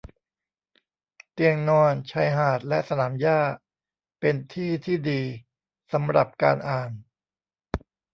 เตียงนอน ชายหาด และสนามหญ้า เป็นที่ที่ดีสำหรับการอ่าน